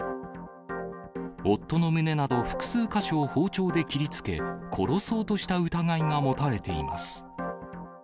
夫の胸など複数か所を包丁で切りつけ、殺そうとした疑いが持たれています。